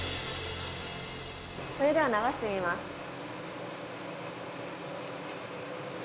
それでは流してみます。